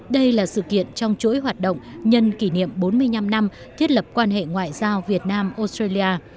đây là sự kiện trong chuỗi hoạt động nhân kỷ niệm bốn mươi năm năm thiết lập quan hệ ngoại giao việt nam australia